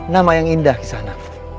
nama yang indah kisana